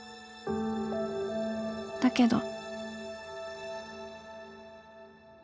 「だけど」。